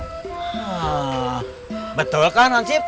hah betul kan wansip